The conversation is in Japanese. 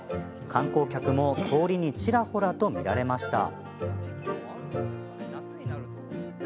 観光客も通りにちらほらと見られました。